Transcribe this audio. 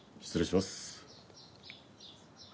失礼します。